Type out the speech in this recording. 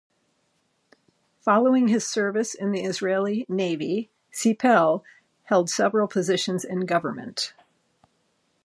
Following his service in the Israeli Navy, Cipel held several positions in government.